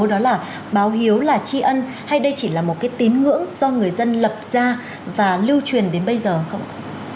đó là báo hiếu là tri ân hay đây chỉ là một cái tín ngưỡng do người dân lập ra và lưu truyền đến bây giờ không ạ